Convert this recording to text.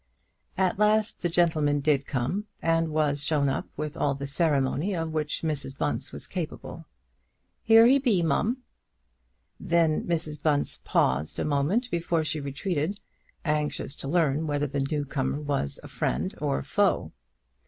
At last the gentleman did come, and was shown up with all the ceremony of which Mrs. Bunce was capable. "Here he be, mum." Then Mrs. Bunce paused a moment before she retreated, anxious to learn whether the new comer was a friend or a foe.